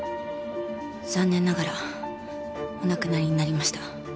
残念ながらお亡くなりになりました。